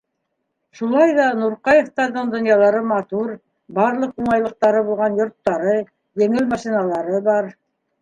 Шулай ҙа Нурҡаевтарҙың донъялары матур, барлыҡ уңайлыҡтары булған йорттары, еңел машиналары бар.